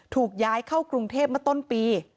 ถูกย้ายเข้ากรุงเทพมาต้นปี